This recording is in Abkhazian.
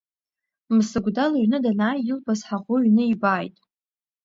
Мсыгәда лыҩны данааи илбаз ҳаӷоу иҩны ибааит.